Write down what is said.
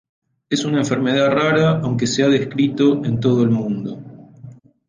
Es una enfermedad rara, aunque se ha descrito en todo el mundo.